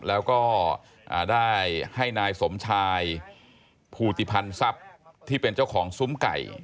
แล้วก็ได้ให้นายสมชายภูติพันธ์ทรัพย์ที่เป็นเจ้าของซุ้มไก่